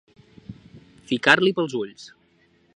Ficar-li pels ulls.